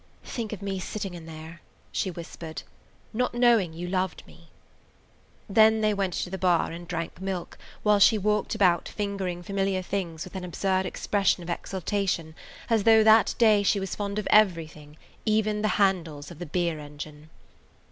"Think of me sitting in there," she whispered, "not knowing you loved me." Then they went into the bar and drank milk, while she walked about fingering familiar things with an absurd expression of exaltation, as though that day she was fond of everything, even the handles of the beer engine.